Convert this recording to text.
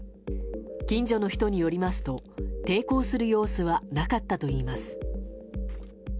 近所の人によりますと抵抗する様子はなかったといいます。